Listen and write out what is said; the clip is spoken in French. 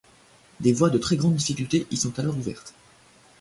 Des voies de très grande difficulté y sont alors ouvertes.